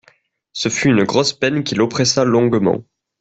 Ce fut une grosse peine qui l'oppressa longuement.